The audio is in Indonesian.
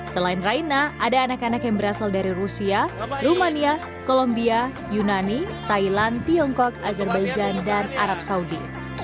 selain raina ada anak anak yang berasal dari rusia rumania colombia yunani thailand tiongkok azerbaijan dan arab saudi